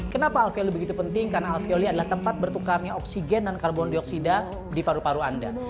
kenapa alvele begitu penting karena alfeoli adalah tempat bertukarnya oksigen dan karbon dioksida di paru paru anda